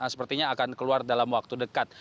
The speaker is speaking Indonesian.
sepertinya akan keluar dalam waktu dekat